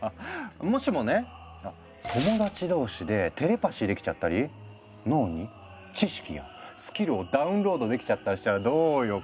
もしもね友達同士でテレパシーできちゃったり脳に知識やスキルをダウンロードできちゃったりしたらどうよ？